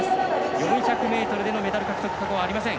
４００ｍでのメダル過去、ありません。